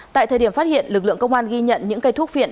tại thời điểm phát hiện lực lượng công an ghi nhận những cây thuốc viện